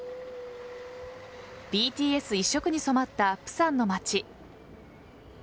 ＢＴＳ一色に染まった釜山の街。